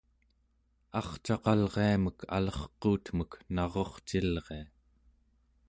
arcaqalriamek alerquutmek narurcilria